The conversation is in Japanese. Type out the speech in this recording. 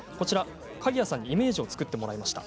鍵屋さんにイメージを作ってもらいました。